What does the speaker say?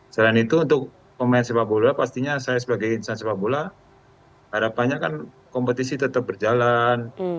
selain itu untuk pemain sepak bola pastinya saya sebagai insan sepak bola harapannya kan kompetisi tetap berjalan